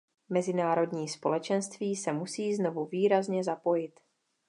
Mezinárodní společenství se musí znovu výrazně zapojit.